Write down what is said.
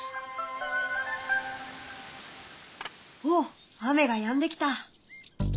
おっ雨がやんできた。